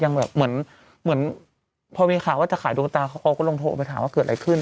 แบบเหมือนเหมือนพอมีข่าวว่าจะขายดวงตาเขาก็ลงโทรไปถามว่าเกิดอะไรขึ้น